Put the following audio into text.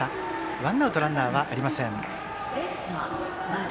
ワンアウトランナーはありません。